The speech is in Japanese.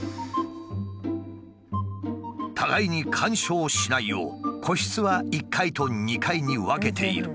互いに干渉しないよう個室は１階と２階に分けている。